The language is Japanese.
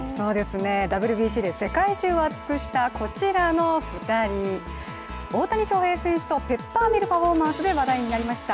ＷＢＣで世界中を熱くしたこちらの２人、大谷翔平選手とペッパーミルパフォーマンスで話題になりました